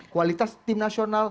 kualitas tim nasional